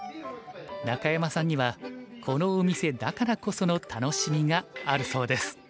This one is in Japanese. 中山さんにはこのお店だからこその楽しみがあるそうです。